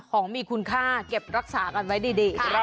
ของมีคุณค่าเก็บรักษากันไว้ดี